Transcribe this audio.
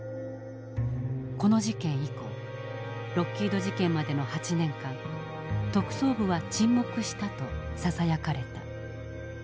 この事件以降ロッキード事件までの８年間特捜部は沈黙したとささやかれた。